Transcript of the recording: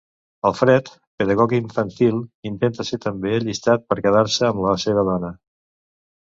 Alfred, pedagog infantil, intentà ser també allistat per a quedar-se amb la seva dona.